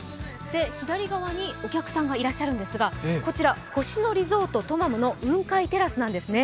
左側にお客さんがいらっしゃるんですが、こちら星野リゾートトマムの雲海テラスなんですね。